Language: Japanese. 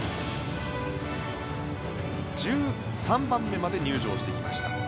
１３番目まで入場してきました。